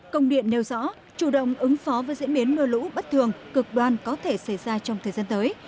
công điện nêu rõ chủ động ứng phó với diễn biến mưa lũ bất thường cực đoan có thể xảy ra trong thời gian tới